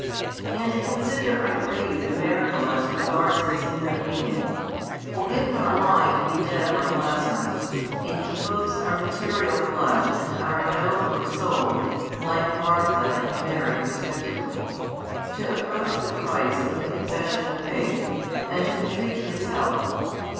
And consider I pray you the miracle as regards its inner meaning. For if our mind be dead like Lazarus, it behoves our material flesh and our nobler soul, like Martha and Mary [respectively,] to approach the Christ with a confession of faith, and to entreat His help.